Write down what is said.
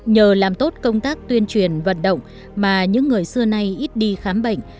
nhờ làm tốt công tác tuyên truyền vận động mà những người xưa nay ít đi khám bệnh